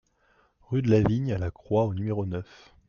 Rue de la Vigne à la Croix au numéro neuf